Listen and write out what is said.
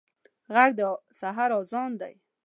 غږ د سحر اذان دی